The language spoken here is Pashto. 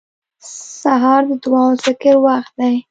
سهار د دعا او ذکر وخت دی.